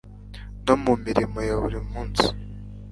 no mu mirimo ya buri munsi